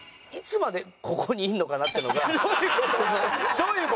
どういう事？